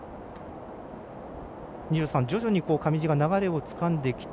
二條さん、徐々に上地が流れをつかんできた。